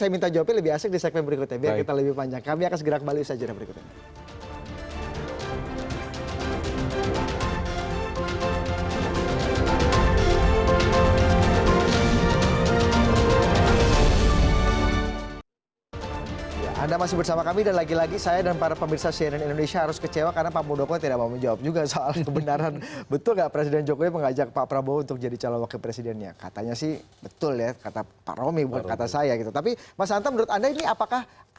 meskipun menjawab benar atau salahnya itu masuk ke domen politik praktis ya pak